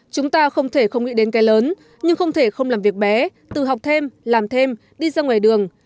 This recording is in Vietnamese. chúng ta không thể không nghĩ đến cái lớn nhưng không thể không làm việc bé từ học thêm làm thêm đi ra ngoài đường